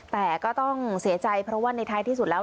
แต่ก็ต้องเสียใจเพราะว่าในท้ายที่สุดแล้ว